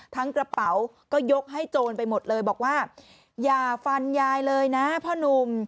กระเป๋าก็ยกให้โจรไปหมดเลยบอกว่าอย่าฟันยายเลยนะพ่อนุ่ม